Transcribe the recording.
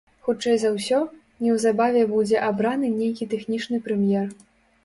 Хутчэй за ўсё, неўзабаве будзе абраны нейкі тэхнічны прэм'ер.